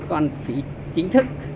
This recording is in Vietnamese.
còn phí chính thức